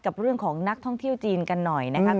กับเรื่องของนักท่องเที่ยวจีนกันหน่อยนะครับ